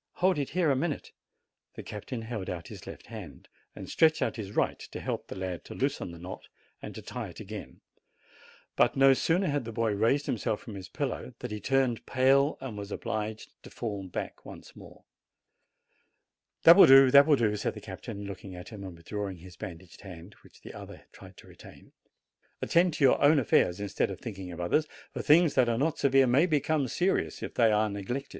Hold it here a minute." The captain held out his left hand, and stretched out his right to help the lad to loosen the knot and to tie it again; but no sooner had the boy raised himself from his pillow than he turned pale and was obliged to fall back once more. "That will do, that will do," said the captain, look ing at him and withdrawing his bandaged hand, which the other tried to retain. "Attend to your own affairs, instead of thinking of others, for things that are not severe may become serious if they are neglected."